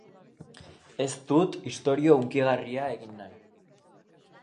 Ez dut istorio hunkigarria egin nahi.